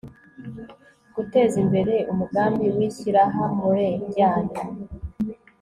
gutezimbere umugambi wishyirahamwre ryanyu